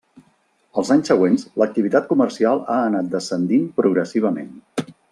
Els anys següents l'activitat comercial ha anat descendint progressivament.